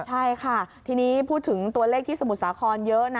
ใช่ค่ะทีนี้พูดถึงตัวเลขที่สมุทรสาครเยอะนะ